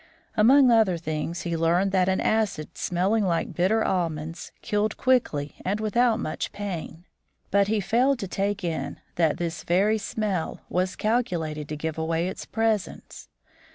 Among other things he learned that an acid smelling like bitter almonds killed quickly and without much pain; but he failed to take in that this very smell was calculated to give away its presence.